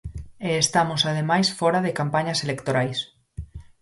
E estamos ademais fóra de campañas electorais.